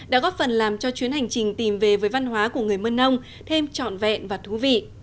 đã góp phần làm cho chuyến hành trình tìm về với văn hóa của người mân âu thêm trọn vẹn và thú vị